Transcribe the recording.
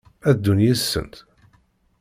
Ad ddun yid-sent?